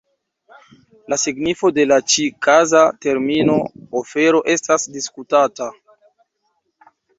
La signifo de la ĉi-kaza termino "ofero" estas diskutata.